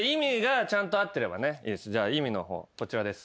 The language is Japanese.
じゃあ意味の方こちらです。